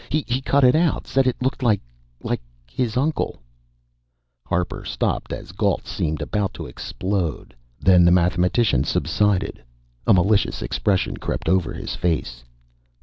He cut it out, said it looked like like his uncle " Harper stopped as Gault seemed about to explode. Then the mathematician subsided, a malicious expression crept over his face.